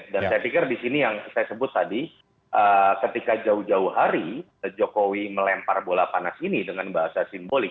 dan saya pikir disini yang saya sebut tadi ketika jauh jauh hari jokowi melempar bola panas ini dengan bahasa simbolik